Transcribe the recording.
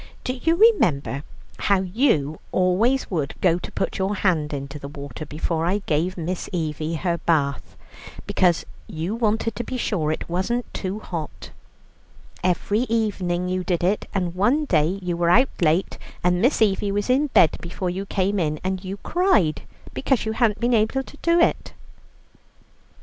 Do you remember how you always would go to put your hand into the water before I gave Miss Evie her bath, because you wanted to be sure it wasn't too hot? Every evening you did it; and one day you were out late, and Miss Evie was in bed before you came in, and you cried because you hadn't been able to do it."